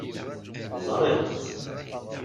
Ẓriɣ-tt.